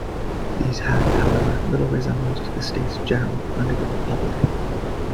These had, however, little resemblance to the States General under the Republic.